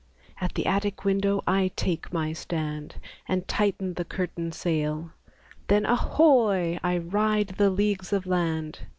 At the attic window I take my stand. And tighten the curtain sail, Then, ahoy! I ride the leagues of land.